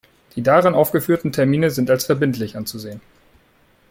Die darin aufgeführten Termine sind als verbindlich anzusehen.